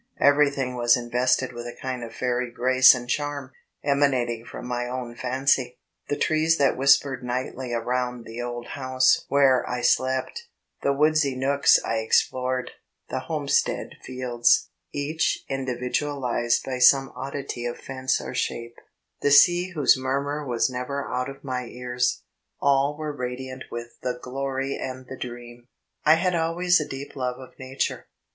Everything was invest widt a kind of fairy grace and charm, emanating from my own fancy, the trees that whis pered nightly around the old house where 1 slept, the woodsy nooks I explored, the homestead fields, each in dividualized by some oddity of fence or shape, the sea whose munnur was never out of my ears all were radiant with "the glory and the dream." I had always a deep love of nature.